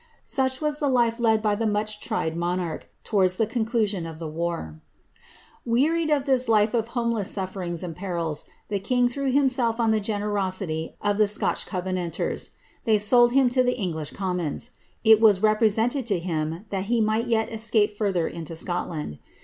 "" Such was the life led by the mudi lonarcb, towards the conclusion of the war. iried of this life of homelew sufierings and perils, the king threw r on the generosity of the Scotch covenanters. They s^d him English commons. It was represented to him, that be mi^t yet further into Scotland.